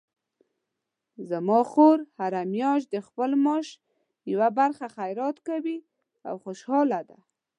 زما خور هره میاشت د خپل معاش یوه برخه خیرات کوي او خوشحاله ده